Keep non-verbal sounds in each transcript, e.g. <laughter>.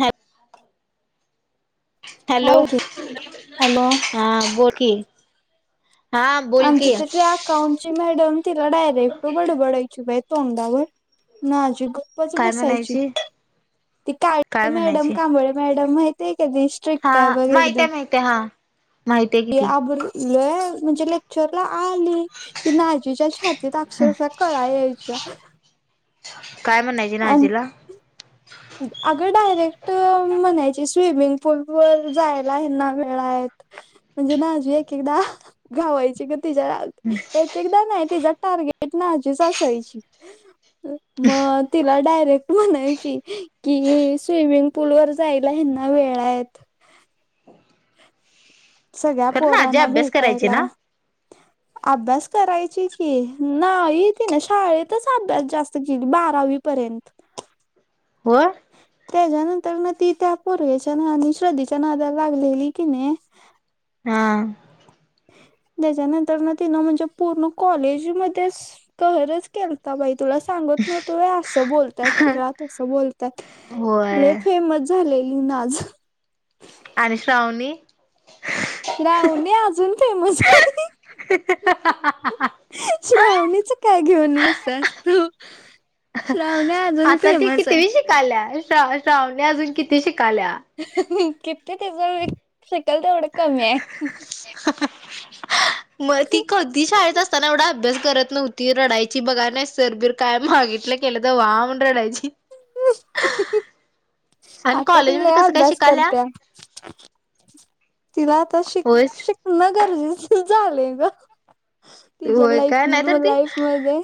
ह हा हॅलो! बोल की हॅलो हा बोल की? हा बोल आमची की तरी अकाउंटची मॅडम तिला डायरेक्ट बडबडायची बाई तोंडा वर नाझी गप्प गप्पच काय बसायची म्हणायची ती काळे काय मॅडम, म्हणायची कांबळे मॅडम माहित आहे का गं हा माहितय माहितय हा माहिती आहे ते किती अब्रू लई म्हणजे लय लेक्चरला आली की नाझीच्या छातीत अक्षरशः कळा यायच्या. काय म्हणणायची नाझीला. दु. अगं डायरेक्ट म्हणायची स्विमिंग पूल व जायला आहेना वेळा हाईट. म्हणजे माझे एक एकदा गावायची ग तिच्यात. एक एकदा नाही तिचा टार्गेट नाझीच असायची मग. तिला डायरेक्ट म्हणायची कि ही स्विमिंग पूल वर जायला ह्यांना वेळ आहेत. सगळ्या खरं ना आजी पोरांना अभ्यास करायची भेटायला. ना अभ्यास करायची की नाही तीन ना शाळेतच अभ्यास जास्त केली बारावी. पर्यंत. होय. त्याच्यानंतर ना ती त्या पोरग्या च्या नादी आणि श्रद्धेच्या नादला लागलेली कि नाही. हा, त्याच्यानंतर ना तिनं म्हणजे पूर्ण कॉलेज म कहरच केलं आता बाई तुला सांगत नव्हतो वया. असा बोलतात तिला तसं बोलतात लय होय फेमस झालेली नाज. आणि श्रावणी. श्रावणी अजून फेमस आहे. श्रावणीच. काय घेऊन बसल्यास तू श्रावणी अ ''--'' आता ती कितवि शिकायल्या श श श्रावणे अजून कितवी शिकाल्या. कितीे त्याचा शीकल तेवढं कमी हाय. मग ती कधी शाळेत असताना एवढा अभ्यास करत नव्हता. ती रडायची बघा नाही सरबीर काय मागितलं केलं तर वा म्हण रडायची. आणि आता ति कॉलेजमध्ये लय कसं काय अभ्यास शिकाल्या करत्या. तिला आता शिक होयच शिकणं गरजेच झालेय ग. तिच्या होय लाईफ काय नाही तर मुल ती लाईफ मध्ये.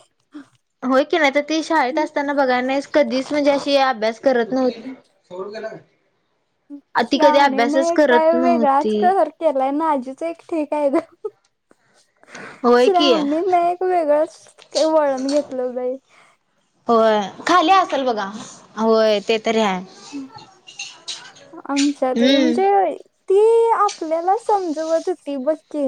होय की नाही तर ती शाळेत असताना बघाय नाहीस कधीच म्हणजे अशी अभ्यास करत नव्हती. आ ती कधी अभ्यासच करत नव्हती. त्याला नाजी एक ठीक आहे ग. होय की श्रामणी ना एक वेगळंच ते वळण घेतलं बाई. होय खाली असल बघा होय ते तरी आहे. आमच्यात हम्म म्हणजे ती आपल्याला समजवत होती बचकी.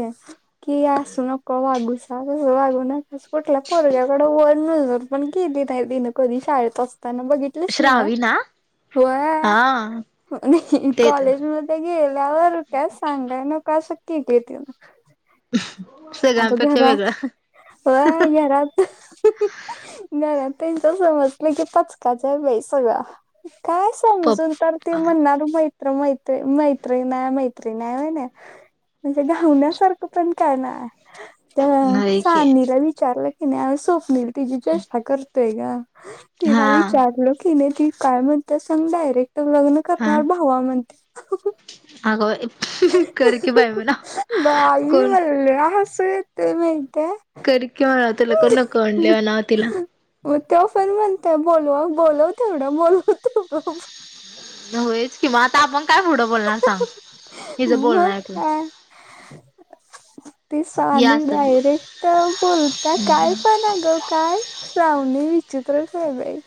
की असू नक वागूसस वागू नकास कुठल्या पोरग्याकड वर नजर. पण केली नाही तिनं कधी शाळेत असताना बघितलेच ना व होय. हा, अ ते तर कॉलेज मध्ये गेल्यावर काय सांगाय न का असं क ग तिन. सय. आता घरात वय घरात. नवऱ्याला तिच्या समजलं की पाचकाचार बा सगळां काय. समजून तर त पप्पा म्हणणार मैत्र मैत्री मैत्री नाही मैत्री नाही होय नाय. म्हणजे गावण्यासारखं पण काय ना त्या नाही की सानीला विचारलं. नाही स्वप्नील तिची चचेष्टा करतेय ग. हा तिला विचारलं की नाही त काय म्हणत सांग डायरेक्ट लग्न करणार म्हण. हवामान ते. आग बाई. म्हणाव बाई कोण मला लय हस येत माहते. तरीक तलक नक आणल्या ना तिला. मग तेव्हा पण म्हणतो, बोलव बोलव तेवढं बोलव होयच की म, आता आपण काय पुढं बोलणार सांग, हिजं बोलण मग ऐकून <inaudible> ती हे सानी असं डायरेक्ट बोलत्या काय पण अग काय श्रावणी विचित्रच हाय बाई.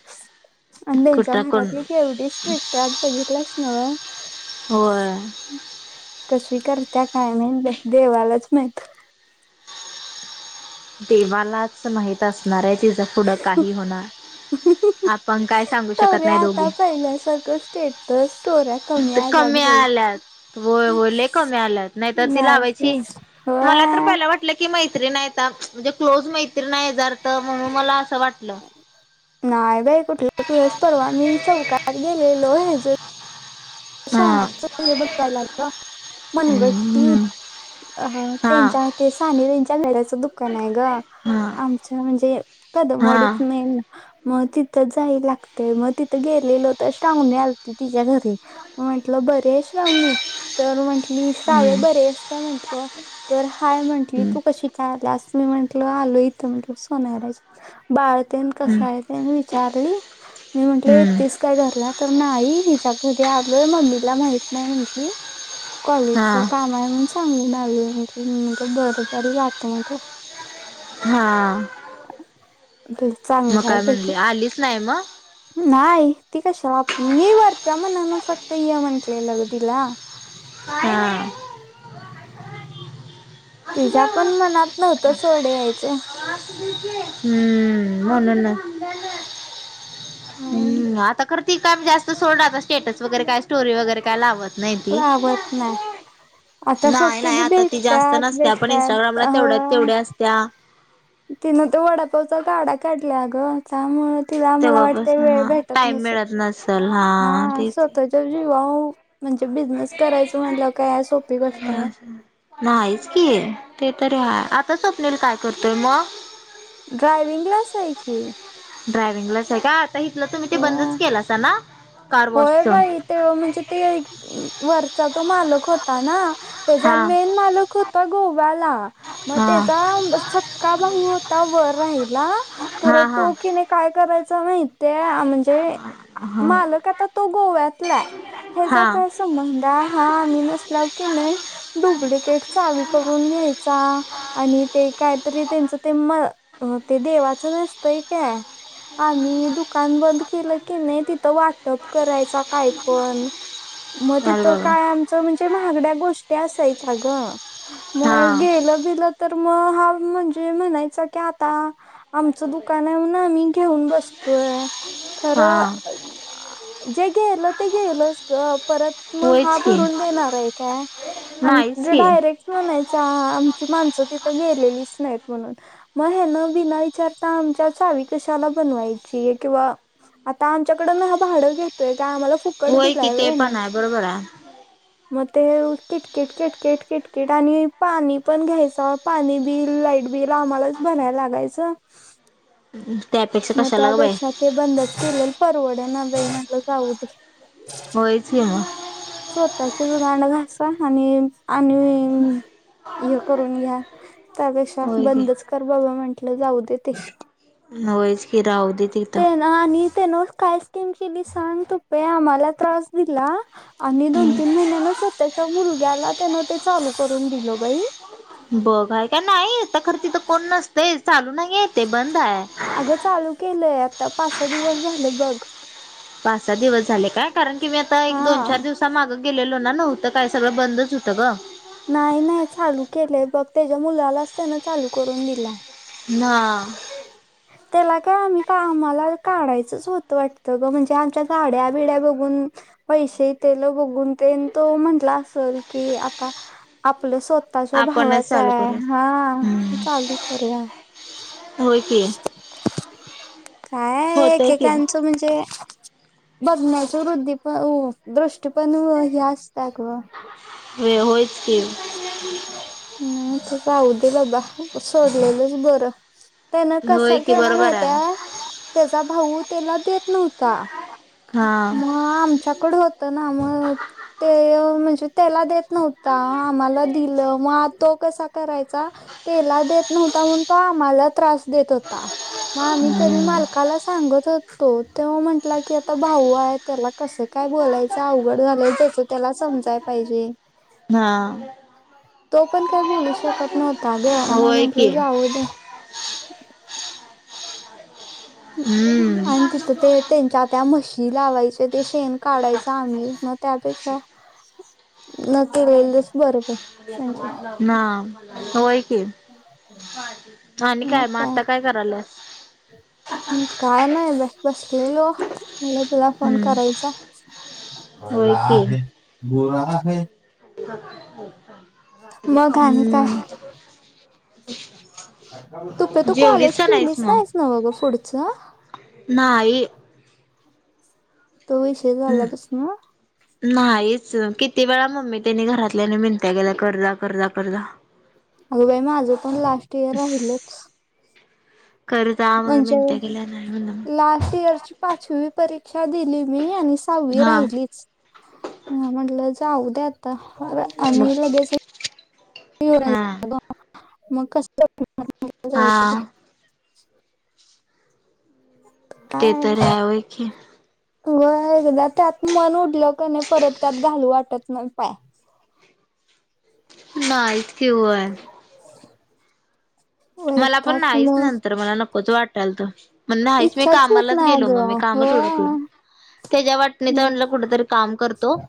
आणि त्यांच्या कुठं कोण घरातली केवढी स्ट्रिक्ट आहेत बघितल्यास नव. होय. कशी करत्या काय माहित बाई, देवालाच माहित. देवालाच माहित असणार आहे ती त्या पुढं काही होणार, आपण काय सांगू शकत नाही दोघी. पहिल्यासारख स्टेटस स्टोर कमी आल्यात, होय होय, लई कमी आल्यात, नाहीतर ती नाही लावायची. तर मला तर होय पहिला वा की मैत्रीण हाय आता, म्हणजे क्लोज मैत्रीण हाय हेजा अर्थ म्हणून मला असं वाटलं. नाही बाई कुठल क्लोज, परवा मी चौकात गेलेलो ह हा सोन्याच हे बघायला ग, मनगट्टी. हम्म अ हा त्यांच्या तेच साने बाईच्या घड्याचं दुकान आहे ग. हा आमच्या म्हणजे, कदम हा वाडीत मेन मग तिथं जाय लागतय, मग तिथं जायला लागतय, गेलेल तर श्रावणी आलती तिच्या घरी. म्हंटलं बरी आहे श्रावणी, तर म्हंटली श्रावे हम्म बरी हाईस काय म्हंटलो तर हय म्हटली, हम्म तू कशी काय आल्यास, मी म्हंटलं आलो इथं म्हंटलं सोनरा बाळ तेन कस हम्म हायत तेन विचारली, मी म्हटले हम्म येतीस काय घरला? तर नाही हिच्या घरी मम्मीला माहित नाही म्हंटली, कॉलेजच हा काम न सांगून आलोय म्हंटली, मी म्हटलं बर बर जातो म्हटलं. हा, मग चांगलं आहे काय म्हणली, बाई आलीच नाही मग? नाही, ती कशा मी वरच्या मानानं फक्त य म्हंटलेलं ग तिला. हा. तिच्या पण मनात नव्हतं सोड यायचं. हम्म, म्हणूनच <inaudible> काय हम्, आता खर ती काम जास्त सोड, आता स्टेटस वगैरे काय स्टोरी वगैरे काय लावत नाही ती. आवत नाही आता नाही फक्त नाही, आता ती जास्त भेटत्यात नसत्या, पण भेटत्यात इंस्टाग्रामला अ तेवढ्या तेवडी असत्या. तिनं तो वडापावचा गाडा काढल्या गं. त्यामुळे तिला मला वाटतय, तेव्हापासून वेळ हा भेटत टाइम नसेल, मिळत नसल हा तेच स्वतः जीवाव, म्हणजे बिझनेस करायचं म्हटलं काय सोपी गोष्ट हाय होय? नाहीच की, ते तरी आहे, आता स्वप्नील काय करतोय मग? ड्रायविंगलाच आहे की. ड्रायव्हंग लाच आहे का, आता इथलं तुम्ही ते बंदच होय केलंसां ना! कार होय वॉशच बाई ते म्हणजे ते वरचा तो मालक होता ना, त्याचा हा मेन मालक हो त गोवा्याला, मग हा त्याचा सक्का भाह होता वर राहिला खर हा हा तो की नाही काय करायच माहितय, म्हणजे हा मालक आता तो गोव्यातला हाय हे च्या हा तच. बंध हा आम्ही नसला की नाही डुप्लिकेट. चावी करून घ्यायचा. आणि ते कायतरी त्यांचं ते म ते देवाचं नसतंय काय. आम्ही दुः कान बंद केलं की नाही तिथं वाटप करायच काय पण. मग अरे तिथं बाबा काय आमचं म्हणजे महागड्या गोष्टी असायच्या ग. म हा गेलं बिलं तर मग हा म्हणजे म्हणायचा की आता. आमचं दुकान आहे ना आम्ही घेऊन बसतोय खरं. हा जे गेल ते गेलच परत मग हा होयच की भरून देणार आहे काय. आणि नाहीच की डायरेक्ट म्हणायच आमची माणसं तिथं गेलेलीच नाहीत म्हणून. मग हे न बीन विचारता आमच्याचा चावी कशाला बनवायची. किंवा आता आमच्याकडन हा भाडं घेतोय काय आम्हाला फु होय कि ते पण आहे बरोबर आहे. मग ते किटकिट किटकिट किटकिट आणि पाणी पण घ्यायचं. पाणी बिल लाईट बिल आम्हालाच भरायला लागायचं. त्यापेक्षा मग कशाला ग बाई त्यापेक्षा ते बंदच केलेल परवड ना बाई जाऊ दे. होयची म. स्वतःची ज गांड घसा आणि आणि हे करून घ्या. त्यापेक्षा होय की बंदच कर बाबा म्हंटलं जाऊ दे ते. होयच कि राहुदे तिथं. हा तेन काय स्कीम केली सांग पहिला आम्हाला त्रास दिला. आणि दोन तीन महिन्यान स्वतःच्या मुलग्याला त्यानं ते चालू करून दिल बाई. बघ हाय क नाही हित खरं तिथं कोण नसतेय चालू नाही येते बंद आहे. अगं चालू केलंय आता पाच सहा दिवस झालं बघ. पाच सहा दिवस झाले काय कारण की मी आता एक दोन चार हा दिवसा मागं गेलेलो ना नव्हत. तर काय सगळं बंदच होतं ग. नाही नाही चालू केलंय बघ त्याच्या मुलालाच त्यान चालू करून दिलाय. ना. त्याला काय आम्ही का आम्हाला काढायचंच होत वाटतं ग म्हणजे आमच्या गाड्या बिड्या बघ ून पैसे तेल बघून ते तो म्हंटला असेल की आता. आपल्या स्वतःच्या आपणच भावाच्या चालू आहे करू हा हम्म चालू करूया. होय की काय होतय की एकेकांचं म्हणजे. बघण्याच वृद्धी पण दृष्टीपण हे असत्याग. वे होयच की. म अस जाह दे बाबा सोडलेलंच बरं. त्यान होय कसं की केलं बरोबर माहित आहे हाय. त्याचा भाऊ त्याला देत नव्हता. हा मग आमच्याकडून. तना मग ते ते म्हणजे त्याला देत नव्हता. मला दिलं म तो आता कसा करायचा. तेला देत नव्हता म्हणून तो आम्हाला त्रास देत होता. मग आम्ही तरी हम्म मालकाला सांगत होतो त्यो म्हंटला की आता भाऊ हाय. त्याला कसं काय बोलायचं अवघड झालंय त्याच त्याला समजायला पाहिजे. हा. तो पण काही बोलू शकत नव्हता ग मग होय की म्हटलं जाऊ द्या. हम्म आणि तिथं ते त्यांच्या आता म्हशी लावायचे ते शेण काढायचं आम्ही मग त्यापेक्षा. न केलेलच बर बाई. म्हणजे ना होय कि आणि काय मग आता काय? कराल्यास? हम् काय नाही बाई बसलेलो. मला तुला फोन हम्म करायचा होय मला की आहे बुरा <unintelligible> आहे? मग आणि काय हम्म. तुपे तु जेवलीस कॉलेज का केलीच मग नाहीस नव ग पुढचं? नाही. तो विषय झाल्या पसन. नाहीच किती वेळा मम्मी त्यानी घरातल्याने मीनंत्या केल्या करजा करजा करजा. अगं बाई माझं पण लास्ट इयर राहिलच. कर जा म्हणून म्हणजे मिनत्या केल्या नाही म्हणलं मग लास्ट इयरची. पाचवी परीक्षा दिली मी आणि सहावी हा राहिलीच. ह म्हटलं जाऊ द्या आता आणि मग लगेच. येऊ हा मग कस...., <inaudible> हा <unintelligible> ते तर यावय की. व्हय एकदा त्यात मन उडलं क नाही परत त्यात घालू वाटत नाही पाय. नाहीच की वय. <unintelligible> मला पण वैताग नाहीच मग नंतर मला नकोच वाटालत. म्हण नाही नाहीच मी इच्छाच होत कामालाच नाही गेलो मग मी अगं कामच हुडकल. होय त्याच्या वाटणीच म्हणलं कुठेतरी काम करतो.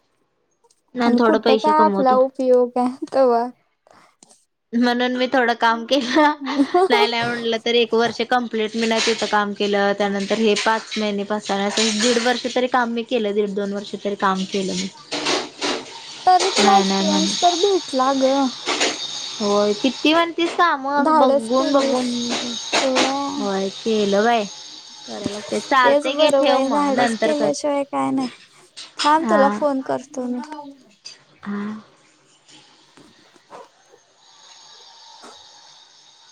आणि थोडं कुठं पैसे काय आपला कमवतो उपयोग हाय तवा. म्हणून मी थोडं काम केलं नाही नाही म्हणलं तर एक वर्ष कम. <unintelligible> आपलेटमेंट हाय तिथं काम केलं त्यानंतर हे पाच महिने पा <unintelligible> दीड वर्ष तरी काम मी. केलं दीड दोन वर्ष तरी काम केलं मी. तरी तुला नाही नाही म्हण एक्सपिरियन्स तर भेटला ग. होय किती म्ह. तिज काम धाडस बघून केलीस बघून होय व्हय केल बई. तेच बर बाई धाडस नंतर कर केल्याशिवाय काय नाही थांब हा तुला फोन करत. तो मी. हा. <unintelligible>